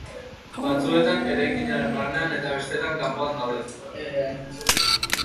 Batzuetan eraikinaren barnean eta besteetan kanpoan daude.